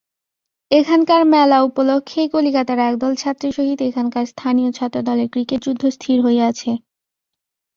এখানকার মেলা উপলক্ষেই কলিকাতার একদল ছাত্রের সহিত এখানকার স্থানীয় ছাত্রদলের ক্রিকেট-যুদ্ধ স্থির হইয়াছে।